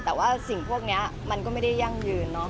แต่ว่าสิ่งพวกนี้มันก็ไม่ได้ยั่งยืนเนาะ